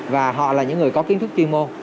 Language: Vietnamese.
và họ là những người có kiến thức chuyên môn